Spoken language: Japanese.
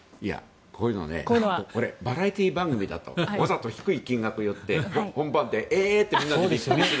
こういうのはバラエティー番組だとわざと低い金額を言ってみんなでびっくりする。